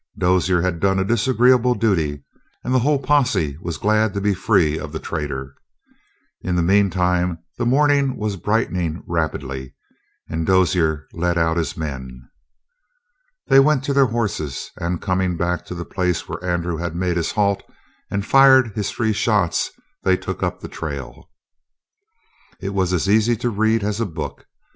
Dozier had done a disagreeable duty, and the whole posse was glad to be free of the traitor. In the meantime the morning was brightening rapidly, and Dozier led out his men. They went to their horses, and, coming back to the place where Andrew had made his halt and fired his three shots, they took up the trail. It was as easy to read as a book.